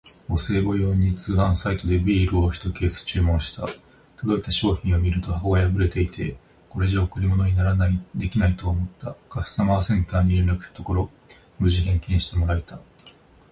お歳暮用に通販サイトでビールをひとケース注文した。届いた商品を見ると箱が破れていて、これじゃ贈り物にできないと思った。カスタマーセンターに連絡したところ、無事返金してもらえた！